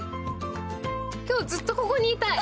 今日ずっとここにいたい。